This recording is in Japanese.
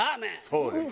そうです。